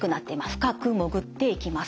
深く潜っていきます。